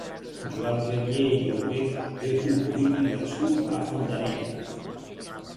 Joan Reñé i Huguet és un polític nascut a Fondarella.